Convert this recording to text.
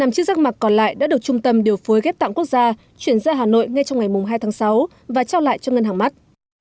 năm chiếc rác mạc còn lại đã được trung tâm điều phối ghép tạng quốc gia chuyển ra hà nội ngay trong ngày hai tháng sáu và trao lại cho ngân hàng mắt